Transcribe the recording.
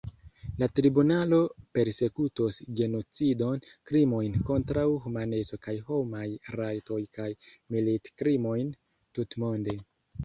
La tribunalo persekutos genocidon, krimojn kontraŭ humaneco kaj homaj rajtoj kaj militkrimojn, tutmonde.